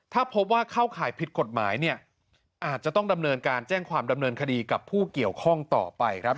ถ้าพบว่าเข้าข่ายผิดกฎหมายเนี่ยอาจจะต้องดำเนินการแจ้งความดำเนินคดีกับผู้เกี่ยวข้องต่อไปครับ